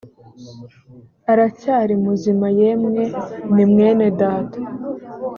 aracyari muzima yemwe ni mwene data